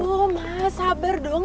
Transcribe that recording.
aduh ma sabar dong